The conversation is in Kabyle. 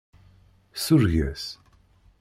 Sureg-as.